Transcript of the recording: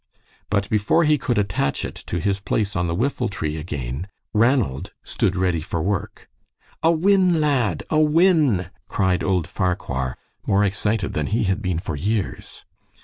But before he could attach it to his place on the whiffletree again, Ranald stood ready for work. "A win, lad! A win!" cried old Farquhar, more excited than he had been for years.